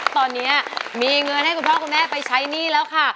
ตอนนี้มีเงินให้คุณพ่อคุณแม่ไปใช้หนี้แล้วค่ะ